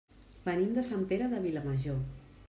Venim de Sant Pere de Vilamajor.